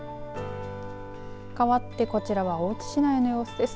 かわって、こちらは大津市内の様子です。